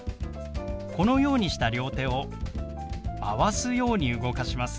このようにした両手を回すように動かします。